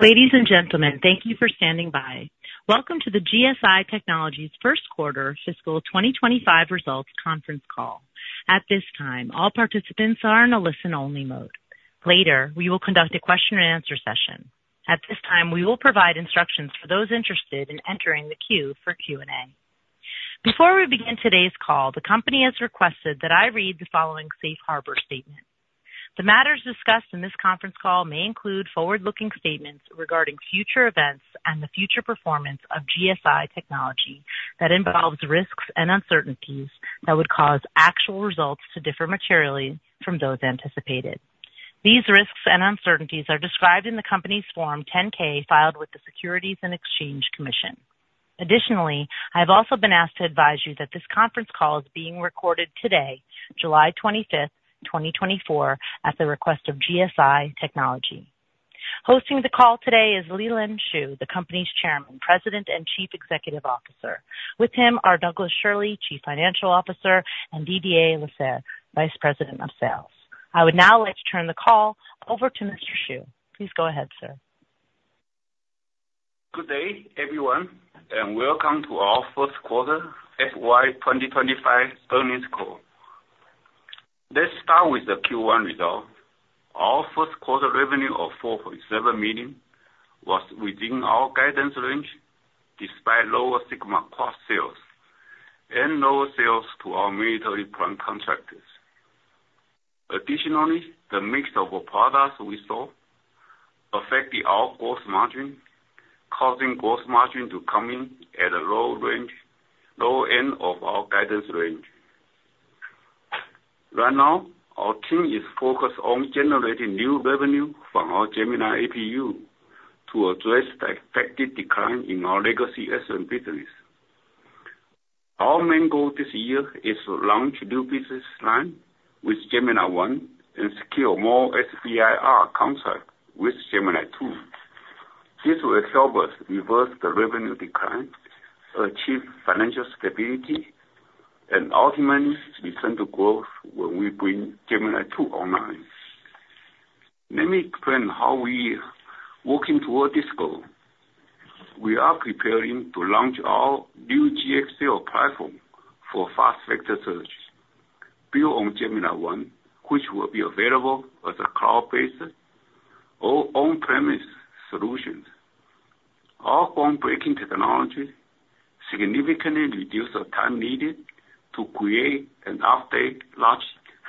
Ladies and gentlemen, thank you for standing by. Welcome to the GSI Technology's first quarter fiscal 2025 results conference call. At this time, all participants are in a listen-only mode. Later, we will conduct a question-and-answer session. At this time, we will provide instructions for those interested in entering the queue for Q&A. Before we begin today's call, the company has requested that I read the following safe harbor statement. The matters discussed in this conference call may include forward-looking statements regarding future events and the future performance of GSI Technology that involves risks and uncertainties that would cause actual results to differ materially from those anticipated. These risks and uncertainties are described in the company's Form 10-K filed with the Securities and Exchange Commission. Additionally, I have also been asked to advise you that this conference call is being recorded today, July 25th, 2024, at the request of GSI Technology. Hosting the call today is Lee-Lean Shu, the company's Chairman, President, and Chief Executive Officer. With him are Douglas Schirle, Chief Financial Officer, and Didier Lasserre, Vice President of Sales. I would now like to turn the call over to Mr. Shu. Please go ahead, sir. Good day, everyone, and welcome to our first quarter FY 2025 earnings call. Let's start with the Q1 result. Our first quarter revenue of $4.7 million was within our guidance range despite lower SigmaQuad cross-sales and lower sales to our military plant contractors. Additionally, the mix of our products we saw affected our gross margin, causing gross margin to come in at a low end of our guidance range. Right now, our team is focused on generating new revenue from our Gemini APU to address the expected decline in our legacy SM business. Our main goal this year is to launch a new business line with Gemini-I and secure more SBIR contracts with Gemini-II. This will help us reverse the revenue decline, achieve financial stability, and ultimately return to growth when we bring Gemini-II online. Let me explain how we are working toward this goal. We are preparing to launch our new GXL platform for fast vector search built on Gemini-I, which will be available as a cloud-based or on-premise solution. Our groundbreaking technology significantly reduces the time needed to create and update large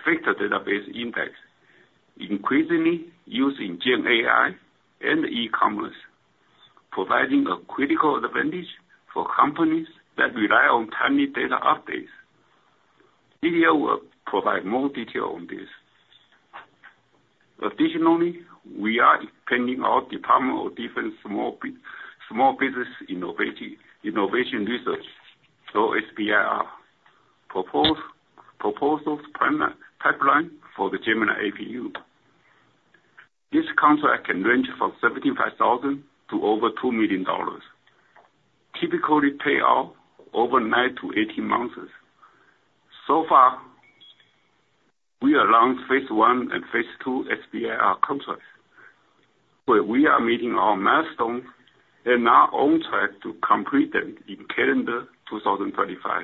vector database index, increasingly using GenAI and e-commerce, providing a critical advantage for companies that rely on timely data updates. Didier will provide more detail on this. Additionally, we are expanding our Department of Defense small business innovation research, or SBIR, proposal pipeline for the Gemini APU. This contract can range from $75,000 to over $2 million, typically paid out over 9-18 months. So far, we have launched phase I and phase II SBIR contracts, where we are meeting our milestones and are on track to complete them in calendar 2025.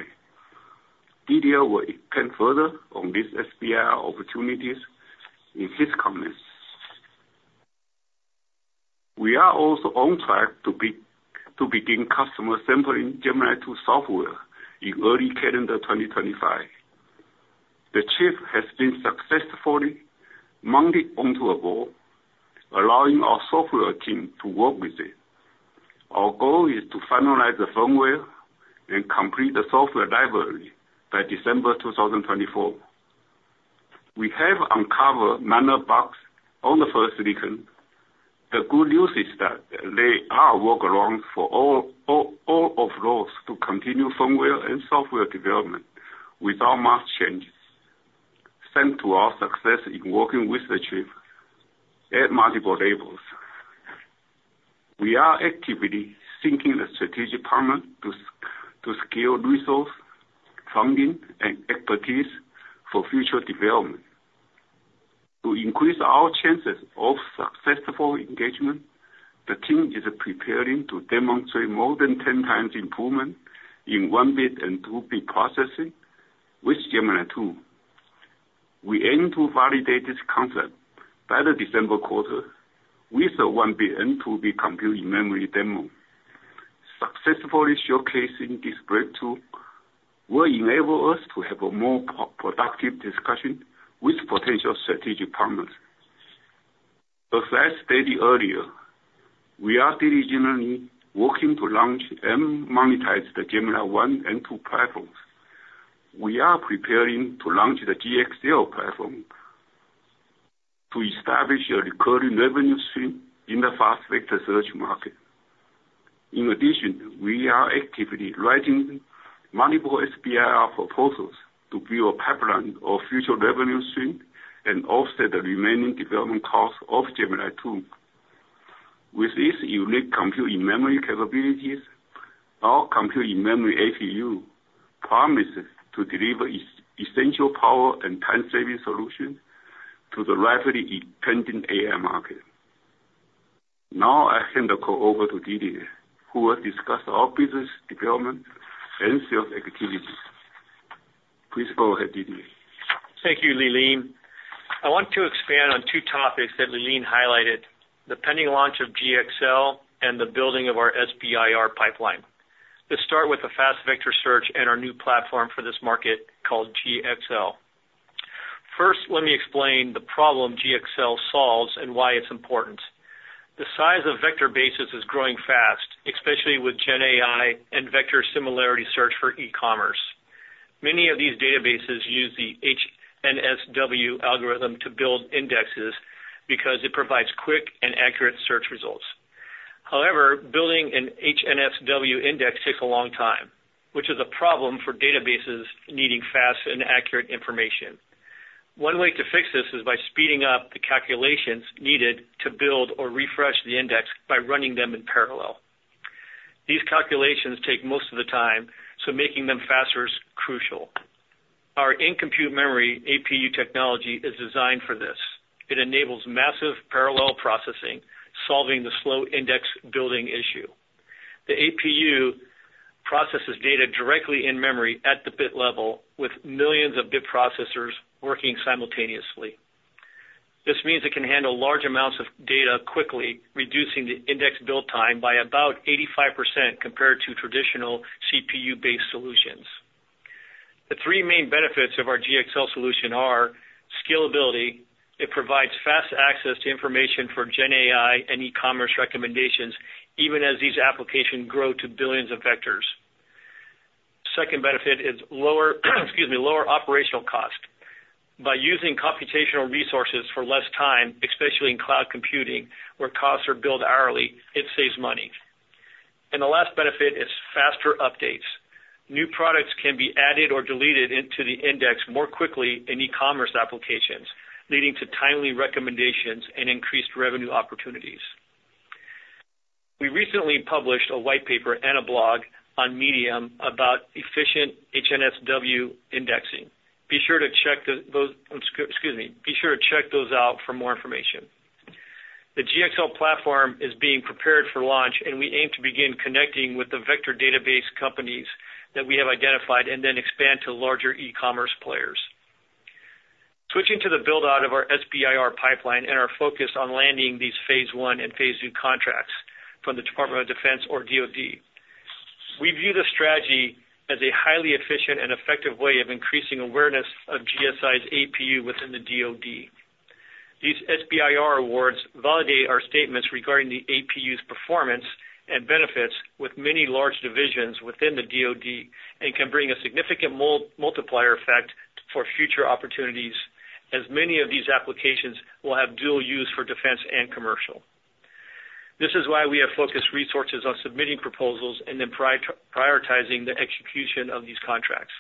Didier will expand further on these SBIR opportunities in his comments. We are also on track to begin customer sampling Gemini-II software in early calendar 2025. The chip has been successfully mounted onto a board, allowing our software team to work with it. Our goal is to finalize the firmware and complete the software library by December 2024. We have uncovered minor bugs on the first silicon. The good news is that there are workarounds for all of those to continue firmware and software development without much change, thanks to our success in working with the chip at multiple levels. We are actively seeking a strategic partner to scale resources, funding, and expertise for future development. To increase our chances of successful engagement, the team is preparing to demonstrate more than 10 times improvement in 1-bit and 2-bit processing with Gemini-II. We aim to validate this concept by the December quarter with a 1B and 2B compute memory demo. Successfully showcasing this breakthrough will enable us to have a more productive discussion with potential strategic partners. As I stated earlier, we are diligently working to launch and monetize the Gemini-I and Gemini-II platforms. We are preparing to launch the GXL platform to establish a recurring revenue stream in the fast vector search market. In addition, we are actively writing multiple SBIR proposals to build a pipeline of future revenue streams and offset the remaining development costs of Gemini-II. With these unique compute memory capabilities, our compute memory APU promises to deliver essential power and time-saving solutions to the rapidly expanding AI market. Now, I hand the call over to Didier, who will discuss our business development and sales activities. Please go ahead, Didier. Thank you, Lee-Lean. I want to expand on two topics that Lee-Lean highlighted: the pending launch of GXL and the building of our SBIR pipeline. Let's start with the fast vector search and our new platform for this market called GXL. First, let me explain the problem GXL solves and why it's important. The size of vector bases is growing fast, especially with GenAI and vector similarity search for e-commerce. Many of these databases use the HNSW algorithm to build indexes because it provides quick and accurate search results. However, building an HNSW index takes a long time, which is a problem for databases needing fast and accurate information. One way to fix this is by speeding up the calculations needed to build or refresh the index by running them in parallel. These calculations take most of the time, so making them faster is crucial. Our in-compute memory APU technology is designed for this. It enables massive parallel processing, solving the slow index building issue. The APU processes data directly in memory at the bit level, with millions of bit processors working simultaneously. This means it can handle large amounts of data quickly, reducing the index build time by about 85% compared to traditional CPU-based solutions. The three main benefits of our GXL solution are scalability. It provides fast access to information for GenAI and e-commerce recommendations, even as these applications grow to billions of vectors. The second benefit is lower operational cost. By using computational resources for less time, especially in cloud computing, where costs are billed hourly, it saves money. The last benefit is faster updates. New products can be added or deleted into the index more quickly in e-commerce applications, leading to timely recommendations and increased revenue opportunities. We recently published a white paper and a blog on Medium about efficient HNSW indexing. Be sure to check those out for more information. The GXL platform is being prepared for launch, and we aim to begin connecting with the vector database companies that we have identified and then expand to larger e-commerce players. Switching to the build-out of our SBIR pipeline and our focus on landing these phase I and phase II contracts from the Department of Defense or DOD. We view the strategy as a highly efficient and effective way of increasing awareness of GSI's APU within the DOD. These SBIR awards validate our statements regarding the APU's performance and benefits with many large divisions within the DOD and can bring a significant multiplier effect for future opportunities, as many of these applications will have dual use for defense and commercial. This is why we have focused resources on submitting proposals and then prioritizing the execution of these contracts.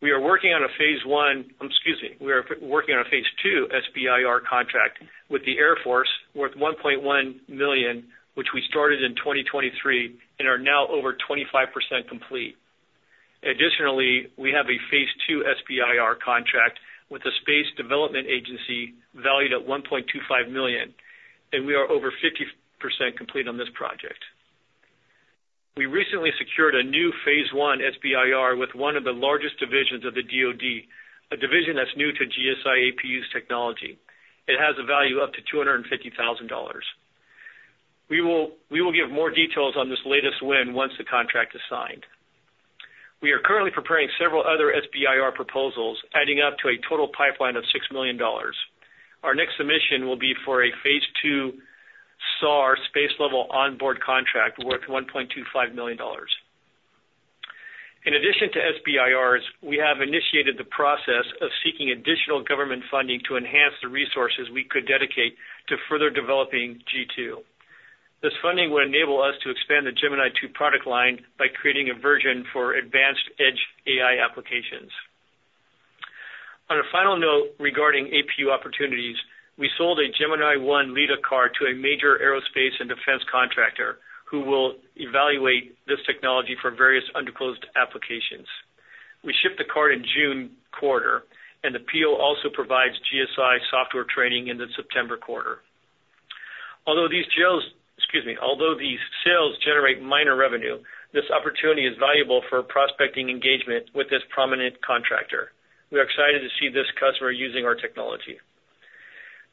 We are working on a phase I, excuse me, we are working on a Phase 2 SBIR contract with the Air Force worth $1.1 million, which we started in 2023 and are now over 25% complete. Additionally, we have a phase II SBIR contract with the Space Development Agency valued at $1.25 million, and we are over 50% complete on this project. We recently secured a new phase I SBIR with one of the largest divisions of the DOD, a division that's new to GSI's APU technology. It has a value of up to $250,000. We will give more details on this latest win once the contract is signed. We are currently preparing several other SBIR proposals, adding up to a total pipeline of $6 million. Our next submission will be for a phase II SAR space-level onboard contract worth $1.25 million. In addition to SBIRs, we have initiated the process of seeking additional government funding to enhance the resources we could dedicate to further developing G2. This funding will enable us to expand the Gemini-II product line by creating a version for advanced edge AI applications. On a final note regarding APU opportunities, we sold a Gemini-I LiDAR card to a major aerospace and defense contractor who will evaluate this technology for various unclassified applications. We shipped the card in June quarter, and the PO also provides GSI software training in the September quarter. Although these sales generate minor revenue, this opportunity is valuable for prospecting engagement with this prominent contractor. We are excited to see this customer using our technology.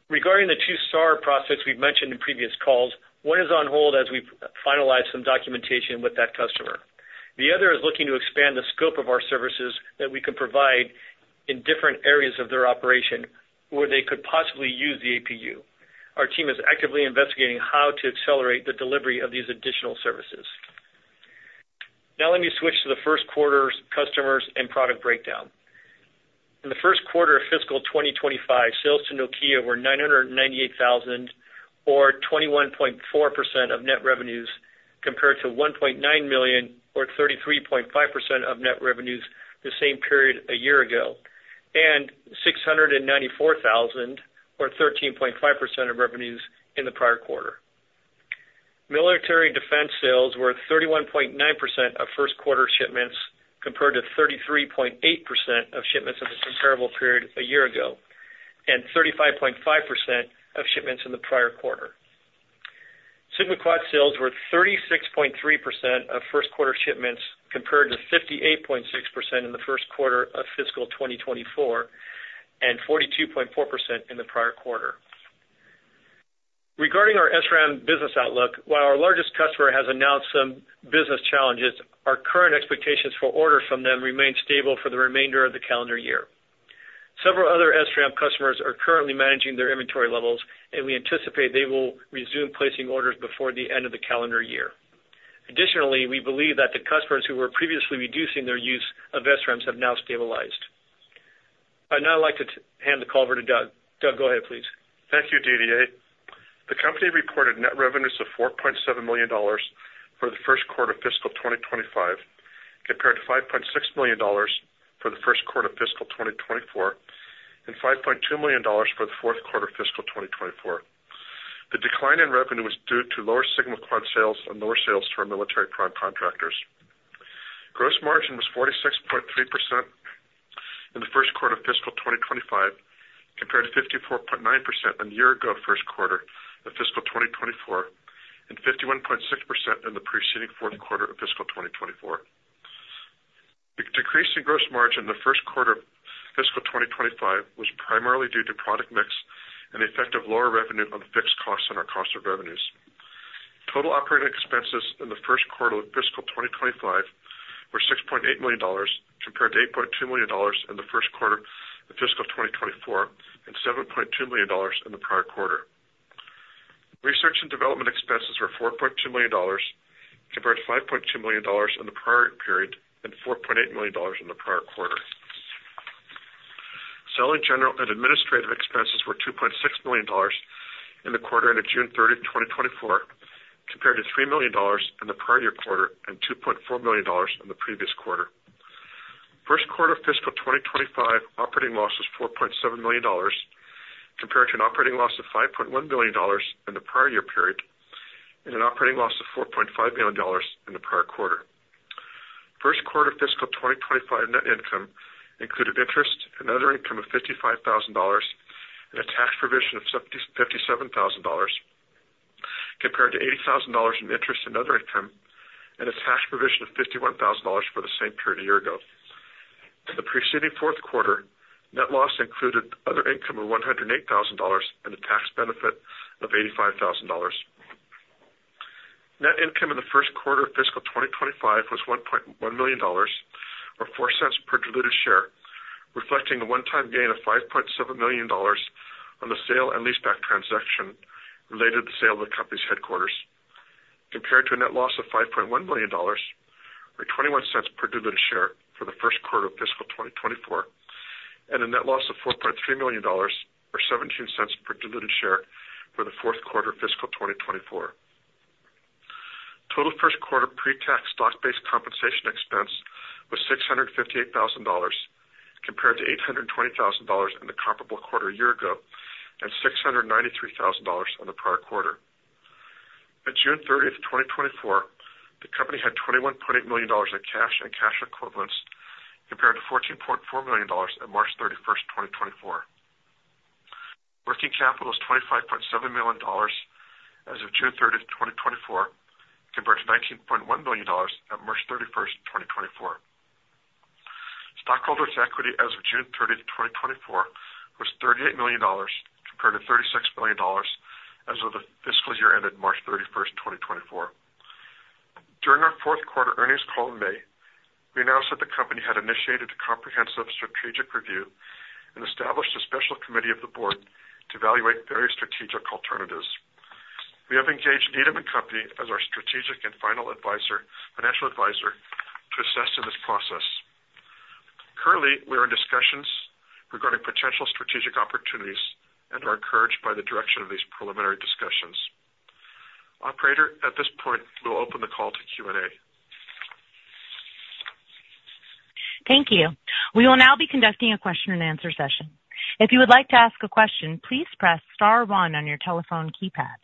Regarding the two SRAM prospects we've mentioned in previous calls, one is on hold as we finalize some documentation with that customer. The other is looking to expand the scope of our services that we can provide in different areas of their operation where they could possibly use the APU. Our team is actively investigating how to accelerate the delivery of these additional services. Now, let me switch to the first quarter's customers and product breakdown. In the first quarter of fiscal 2025, sales to Nokia were $998,000, or 21.4% of net revenues, compared to $1.9 million, or 33.5% of net revenues the same period a year ago, and $694,000, or 13.5% of revenues in the prior quarter. Military defense sales were 31.9% of first quarter shipments, compared to 33.8% of shipments in the comparable period a year ago, and 35.5% of shipments in the prior quarter. SigmaQuad sales were 36.3% of first quarter shipments, compared to 58.6% in the first quarter of fiscal 2024 and 42.4% in the prior quarter. Regarding our SRAM business outlook, while our largest customer has announced some business challenges, our current expectations for orders from them remain stable for the remainder of the calendar year. Several other SRAM customers are currently managing their inventory levels, and we anticipate they will resume placing orders before the end of the calendar year. Additionally, we believe that the customers who were previously reducing their use of SRAMs have now stabilized. I'd now like to hand the call over to Doug. Doug, go ahead, please. Thank you, Didier. The company reported net revenues of $4.7 million for the first quarter of fiscal 2025, compared to $5.6 million for the first quarter of fiscal 2024 and $5.2 million for the fourth quarter of fiscal 2024. The decline in revenue was due to lower Sigma Quad sales and lower sales for military prime contractors. Gross margin was 46.3% in the first quarter of fiscal 2025, compared to 54.9% a year ago, first quarter of fiscal 2024 and 51.6% in the preceding fourth quarter of fiscal 2024. The decrease in gross margin in the first quarter of fiscal 2025 was primarily due to product mix and the effect of lower revenue on fixed costs and our cost of revenues. Total operating expenses in the first quarter of fiscal 2025 were $6.8 million, compared to $8.2 million in the first quarter of fiscal 2024 and $7.2 million in the prior quarter. Research and development expenses were $4.2 million, compared to $5.2 million in the prior period and $4.8 million in the prior quarter. Selling general and administrative expenses were $2.6 million in the quarter end of June 30, 2024, compared to $3 million in the prior year quarter and $2.4 million in the previous quarter. First quarter of fiscal 2025 operating loss was $4.7 million, compared to an operating loss of $5.1 million in the prior year period and an operating loss of $4.5 million in the prior quarter. First quarter fiscal 2025 net income included interest and other income of $55,000 and a tax provision of $57,000, compared to $80,000 in interest and other income and a tax provision of $51,000 for the same period a year ago. In the preceding fourth quarter, net loss included other income of $108,000 and a tax benefit of $85,000. Net income in the first quarter of fiscal 2025 was $1.1 million, or $0.04 per diluted share, reflecting a one-time gain of $5.7 million on the sale and leaseback transaction related to the sale of the company's headquarters, compared to a net loss of $5.1 million, or $0.21 per diluted share for the first quarter of fiscal 2024, and a net loss of $4.3 million, or $0.17 per diluted share for the fourth quarter of fiscal 2024. Total first quarter pre-tax stock-based compensation expense was $658,000, compared to $820,000 in the comparable quarter a year ago and $693,000 in the prior quarter. At June 30, 2024, the company had $21.8 million in cash and cash equivalents, compared to $14.4 million at March 31, 2024. Working capital was $25.7 million as of June 30, 2024, compared to $19.1 million at March 31, 2024. Stockholders' equity as of June 30, 2024, was $38 million, compared to $36 million as of the fiscal year ended March 31, 2024. During our fourth quarter earnings call in May, we announced that the company had initiated a comprehensive strategic review and established a special committee of the board to evaluate various strategic alternatives. We have engaged Needham & Company as our strategic and financial advisor to assist in this process. Currently, we are in discussions regarding potential strategic opportunities and are encouraged by the direction of these preliminary discussions. Operator, at this point, we will open the call to Q&A. Thank you. We will now be conducting a question-and-answer session. If you would like to ask a question, please press star one on your telephone keypad.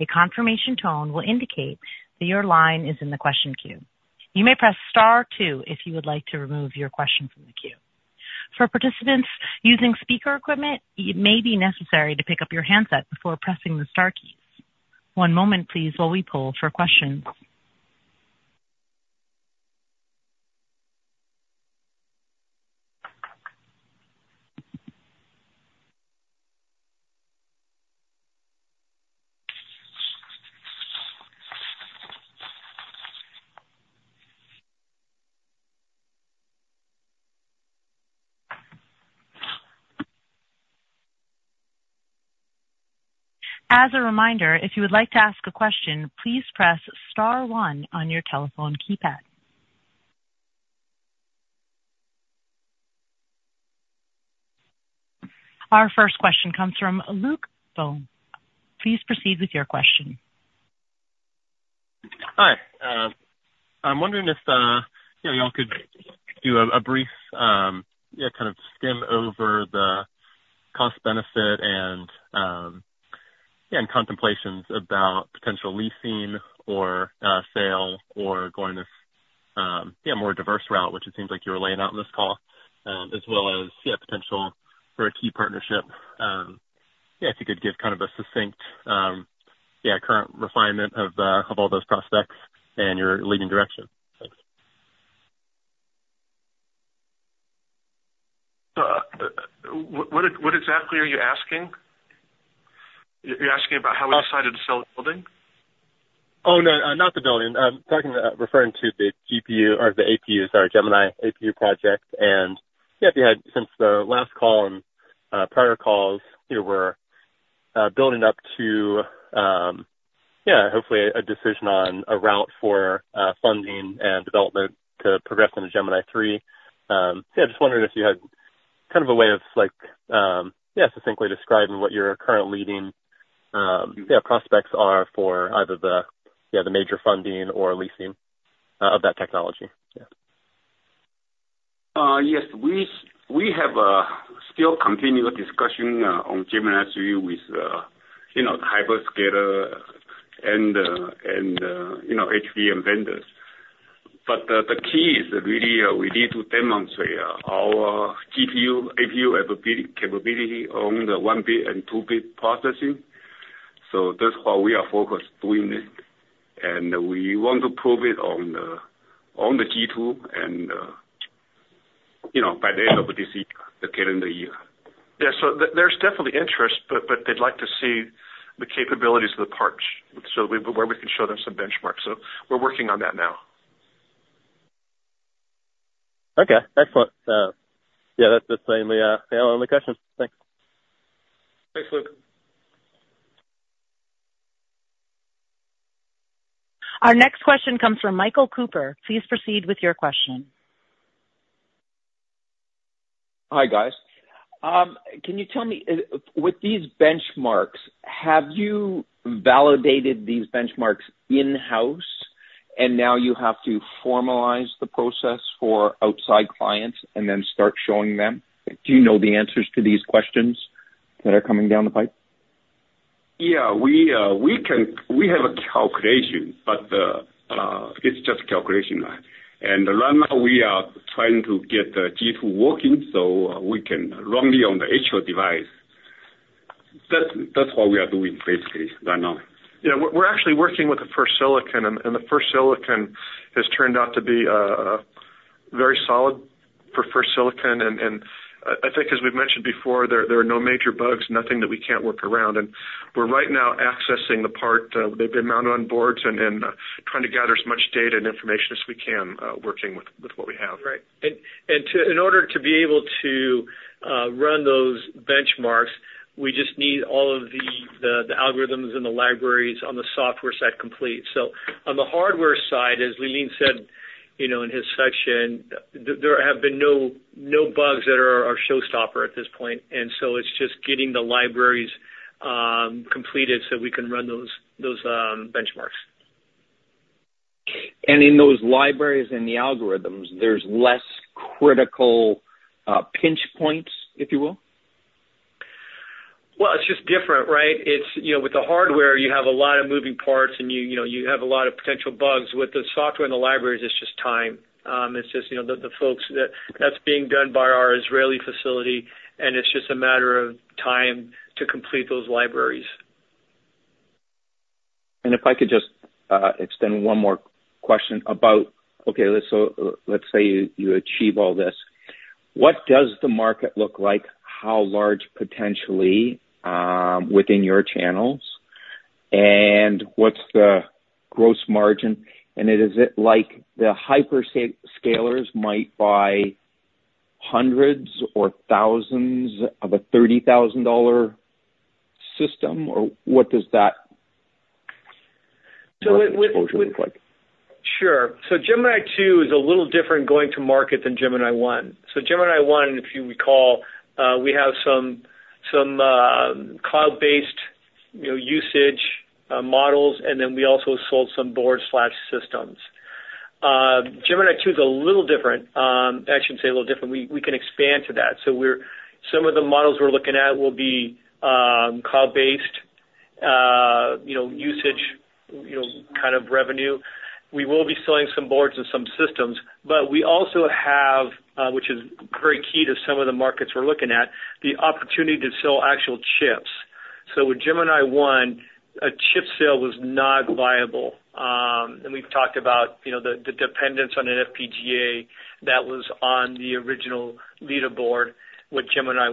A confirmation tone will indicate that your line is in the question queue. You may press star two if you would like to remove your question from the queue. For participants using speaker equipment, it may be necessary to pick up your handset before pressing the star keys. One moment, please, while we pull for questions. As a reminder, if you would like to ask a question, please press star one on your telephone keypad. Our first question comes from Luke Bohns. Please proceed with your question. Hi. I'm wondering if y'all could do a brief kind of skim over the cost-benefit and contemplations about potential leasing or sale or going this more diverse route, which it seems like you were laying out in this call, as well as potential for a key partnership, if you could give kind of a succinct current refinement of all those prospects and your leading direction. Thanks. What exactly are you asking? You're asking about how we decided to sell the building? Oh, no, not the building. I'm referring to the GPU or the APU, sorry, Gemini APU project. Since the last call and prior calls, we're building up to, hopefully, a decision on a route for funding and development to progress into Gemini-III. Yeah, just wondering if you had kind of a way of succinctly describing what your current leading prospects are for either the major funding or leasing of that technology. Yes. We have still continued discussion on Gemini-III with the hyperscaler and HPE and vendors. But the key is really we need to demonstrate our Gemini APU capability on the 1-bit and 2-bit processing. So that's why we are focused on doing this. And we want to prove it on the G2 by the end of this year, the calendar year. Yeah. So there's definitely interest, but they'd like to see the capabilities of the parts where we can show them some benchmarks. So we're working on that now. Okay. Excellent. Yeah, that's definitely my only question. Thanks. Thanks, Luke. Our next question comes from Michael Cooper. Please proceed with your question. Hi, guys. Can you tell me, with these benchmarks, have you validated these benchmarks in-house, and now you have to formalize the process for outside clients and then start showing them? Do you know the answers to these questions that are coming down the pipe? Yeah. We have a calculation, but it's just a calculation. And right now, we are trying to get the G2 working so we can run it on the actual device. That's what we are doing, basically, right now. Yeah. We're actually working with the first silicon, and the first silicon has turned out to be very solid for first silicon. And I think, as we've mentioned before, there are no major bugs, nothing that we can't work around. And we're right now accessing the part. They've been mounted on boards and trying to gather as much data and information as we can, working with what we have. Right. And in order to be able to run those benchmarks, we just need all of the algorithms and the libraries on the software side complete. So on the hardware side, as Lee-Lean said in his section, there have been no bugs that are a showstopper at this point. And so it's just getting the libraries completed so we can run those benchmarks. In those libraries and the algorithms, there's less critical pinch points, if you will? Well, it's just different, right? With the hardware, you have a lot of moving parts, and you have a lot of potential bugs. With the software and the libraries, it's just time. It's just the folks that's being done by our Israeli facility, and it's just a matter of time to complete those libraries. If I could just extend one more question about, okay, let's say you achieve all this. What does the market look like, how large potentially within your channels, and what's the gross margin? And is it like the hyperscalers might buy hundreds or thousands of a $30,000 system, or what does that proportion look like? Sure. So Gemini-II is a little different going to market than Gemini-I. So Gemini-I, if you recall, we have some cloud-based usage models, and then we also sold some board/systems. Gemini-II is a little different. I shouldn't say a little different. We can expand to that. So some of the models we're looking at will be cloud-based usage kind of revenue. We will be selling some boards and some systems, but we also have, which is very key to some of the markets we're looking at, the opportunity to sell actual chips. So with Gemini-I, a chip sale was not viable. And we've talked about the dependence on an FPGA that was on the original LiDAR board with Gemini-I.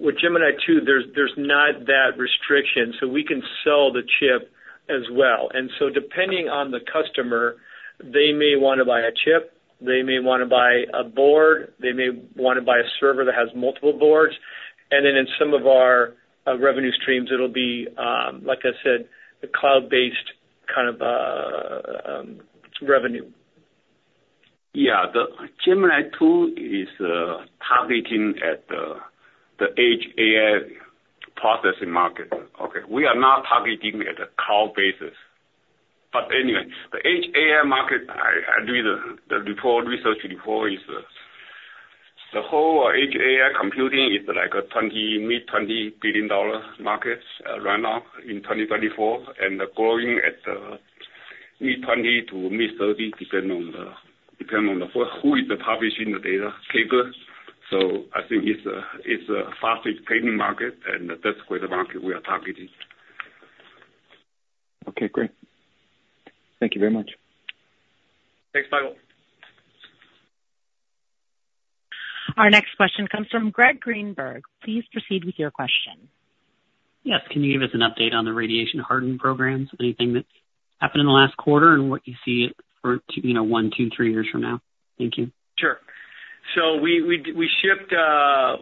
With Gemini-II, there's not that restriction. So we can sell the chip as well. And so depending on the customer, they may want to buy a chip. They may want to buy a board. They may want to buy a server that has multiple boards. And then in some of our revenue streams, it'll be, like I said, the cloud-based kind of revenue. Yeah. Gemini-II is targeting at the edge AI processing market. Okay. We are not targeting at a cloud basis. But anyway, the edge AI market, I read the research report, the whole edge AI computing is like a mid-$20 billion market right now in 2024, and growing at mid-20%-mid-30%, depending on who is publishing the data capable. So I think it's a fastest-pacing market, and that's where the market we are targeting. Okay. Great. Thank you very much. Thanks, Michael. Our next question comes from Greg Greenberg. Please proceed with your question. Yes. Can you give us an update on the radiation hardening programs? Anything that's happened in the last quarter and what you see for 1, 2, 3 years from now? Thank you. Sure. So we shipped a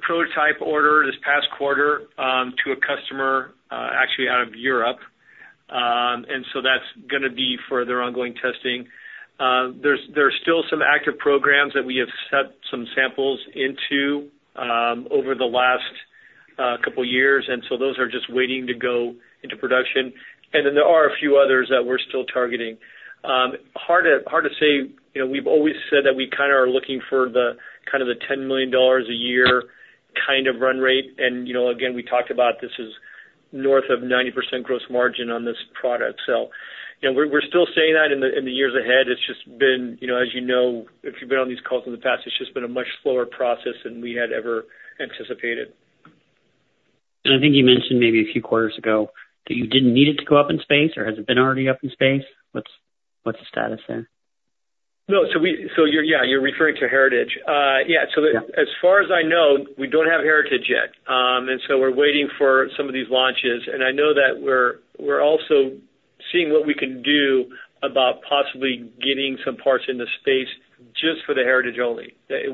prototype order this past quarter to a customer, actually out of Europe. And so that's going to be for their ongoing testing. There's still some active programs that we have sent some samples into over the last couple of years. And so those are just waiting to go into production. And then there are a few others that we're still targeting. Hard to say. We've always said that we kind of are looking for kind of the $10 million a year kind of run rate. And again, we talked about this is north of 90% gross margin on this product. So we're still seeing that in the years ahead. It's just been, as you know, if you've been on these calls in the past, it's just been a much slower process than we had ever anticipated. I think you mentioned maybe a few quarters ago that you didn't need it to go up in space, or has it been already up in space? What's the status there? No. So yeah, you're referring to Heritage. Yeah. So as far as I know, we don't have Heritage yet. And so we're waiting for some of these launches. And I know that we're also seeing what we can do about possibly getting some parts into space just for the Heritage only. This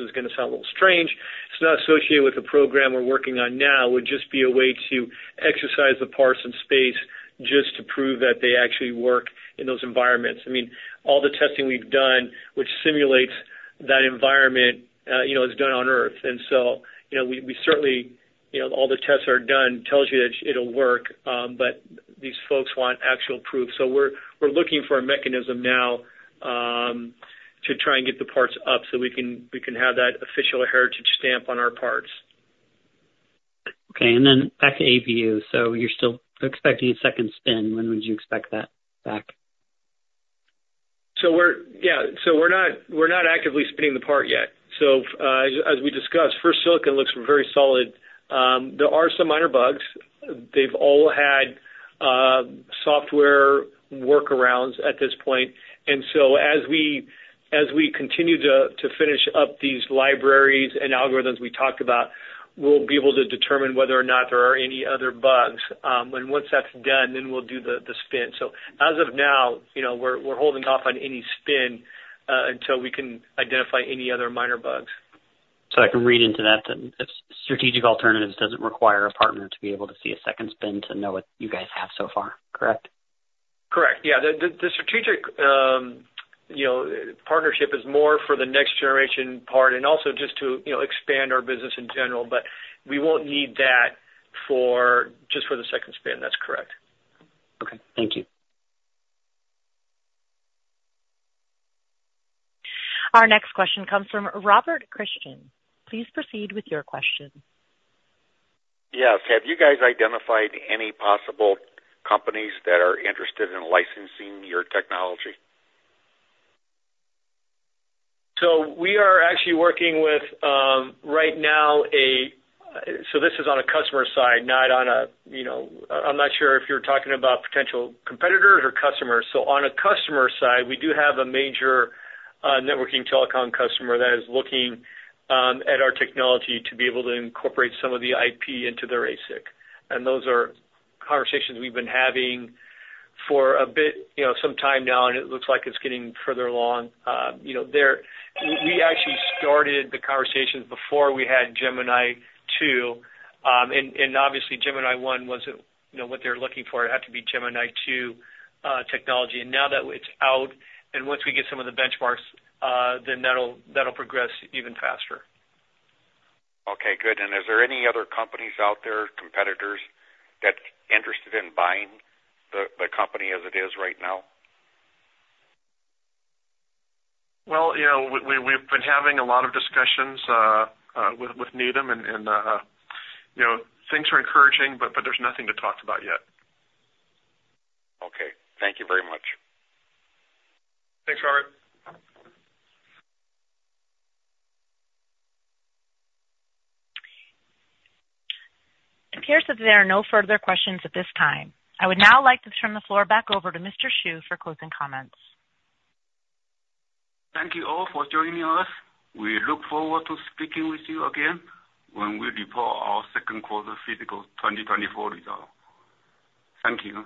is going to sound a little strange. It's not associated with the program we're working on now. It would just be a way to exercise the parts in space just to prove that they actually work in those environments. I mean, all the testing we've done, which simulates that environment, is done on Earth. And so we certainly all the tests are done tells you that it'll work, but these folks want actual proof. So we're looking for a mechanism now to try and get the parts up so we can have that official Heritage stamp on our parts. Okay. And then back to APU. So you're still expecting a second spin. When would you expect that back? Yeah. So we're not actively spinning the part yet. So as we discussed, first silicon looks very solid. There are some minor bugs. They've all had software workarounds at this point. And so as we continue to finish up these libraries and algorithms we talked about, we'll be able to determine whether or not there are any other bugs. And once that's done, then we'll do the spin. So as of now, we're holding off on any spin until we can identify any other minor bugs. I can read into that that strategic alternatives doesn't require a partner to be able to see a second spin to know what you guys have so far, correct? Correct. Yeah. The strategic partnership is more for the next generation part and also just to expand our business in general. But we won't need that just for the second spin. That's correct. Okay. Thank you. Our next question comes from Robert Christian. Please proceed with your question. Yeah. Have you guys identified any possible companies that are interested in licensing your technology? So we are actually working with right now. So this is on a customer side. I'm not sure if you're talking about potential competitors or customers. So on a customer side, we do have a major networking telecom customer that is looking at our technology to be able to incorporate some of the IP into their ASIC. And those are conversations we've been having for some time now, and it looks like it's getting further along. We actually started the conversations before we had Gemini-II. And obviously, Gemini-I wasn't what they're looking for. It had to be Gemini-I technology. And now that it's out, and once we get some of the benchmarks, then that'll progress even faster. Okay. Good. And is there any other companies out there, competitors, that's interested in buying the company as it is right now? Well, we've been having a lot of discussions with Needham, and things are encouraging, but there's nothing to talk about yet. Okay. Thank you very much. Thanks, Robert. It appears that there are no further questions at this time. I would now like to turn the floor back over to Mr. Shu for closing comments. Thank you all for joining us. We look forward to speaking with you again when we report our second quarter fiscal 2024 results. Thank you.